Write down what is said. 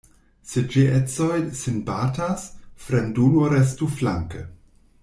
Se geedzoj sin batas, fremdulo restu flanke.